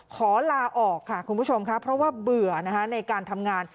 ขอลาออกค่ะคุณผู้ชมค่ะเพราะว่าเบื่อในการทำงาน